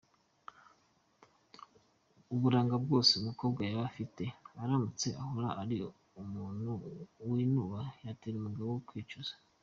Uburanga bwose umukobwa yaba afite aramutse ahora ari umuntu winuba yatera umugabo we kwicuza.